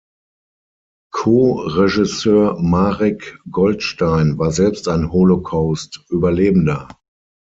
Ko-Regisseur Marek Goldstein war selbst ein Holocaust-Überlebender.